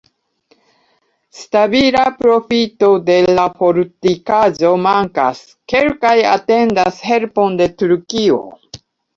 Stabila profito de la fortikaĵo mankas, kelkaj atendas helpon de Turkio.